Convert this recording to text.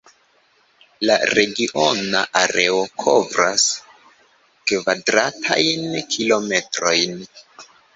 La regiona areo kovras kvadratajn kilometrojn.